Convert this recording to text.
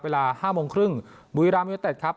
เวลาห้าโมงครึ่งบุยรามยาเต็ดครับ